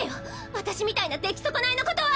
私みたいな出来損ないのことは！